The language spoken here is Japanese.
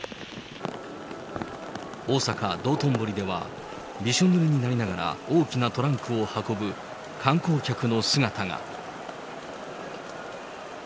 大阪・道頓堀では、びしょぬれになりながら大きなトランクを運ぶ観光客の姿が。